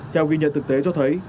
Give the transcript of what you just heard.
theo ghi nhận thực tế cho thấy